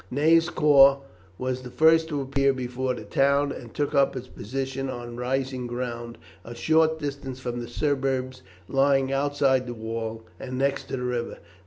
Ney's corps was the first to appear before the town, and took up its position on rising ground a short distance from the suburbs lying outside the wall and next to the river.